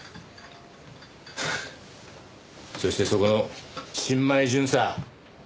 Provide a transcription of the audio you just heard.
そしてそこの新米巡査。